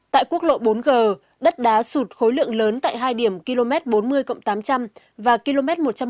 tại quốc lộ bốn g đất đá sụt khối lượng lớn tại hai điểm km bốn mươi tám trăm linh và km một trăm linh tám ba trăm năm mươi